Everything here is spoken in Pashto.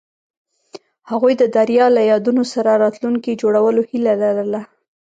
هغوی د دریا له یادونو سره راتلونکی جوړولو هیله لرله.